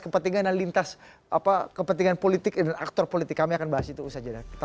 kepentingan dan lintas apa kepentingan politik dan aktor politik kami akan bahas itu usaha jeda kita